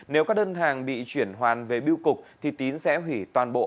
nếu các đơn hàng bị chuyển hoàn về biêu cục thì tín sẽ hủy toàn bộ